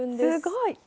すごい！